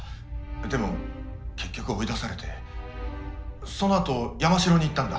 でも結局追い出されてそのあと山代に行ったんだ。